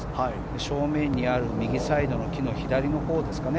正面にある右サイドの木の左のほうですかね。